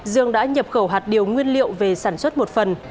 dương đã nhập khẩu hạt điều nguyên liệu về sản xuất một phần